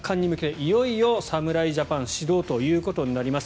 いよいよ侍ジャパン始動ということになります。